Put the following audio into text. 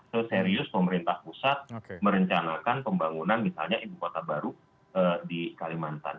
seserius pemerintah pusat merencanakan pembangunan misalnya ibu kota baru di kalimantan